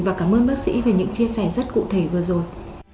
và cảm ơn bác sĩ về những chia sẻ rất cụ thể vừa rồi